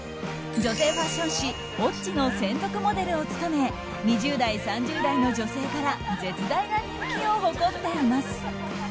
女性ファッション誌「Ｏｇｇｉ」の専属モデルを務め２０代、３０代の女性から絶大な人気を誇っています。